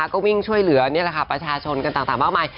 ก็วิ่งช่วยเหลือประชาชนกันต่างมากมาย